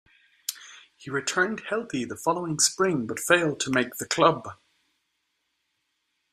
He returned healthy the following Spring, but failed to make the club.